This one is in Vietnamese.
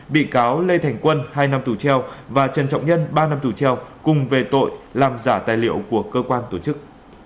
bị cáo lê thành quân hai năm tù treo và trần trọng nhân ba năm tù treo cùng về tội làm giả tài liệu của cơ quan tổ chức